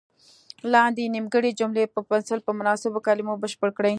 لاندې نیمګړې جملې په پنسل په مناسبو کلمو بشپړې کړئ.